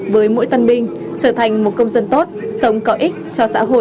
với mỗi tân binh trở thành một công dân tốt sống có ích cho xã hội